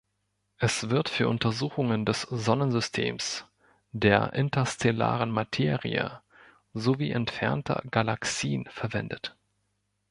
Es wird für Untersuchungen des Sonnensystems, der interstellaren Materie, sowie entfernter Galaxien verwendet.